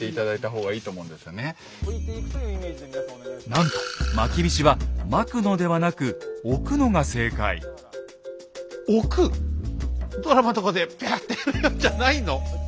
なんとまきびしはまくのではなく置く⁉ドラマとかでビャッてやるんじゃないの？